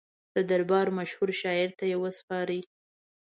د دربار مشهور شاعر ته یې وسپاري.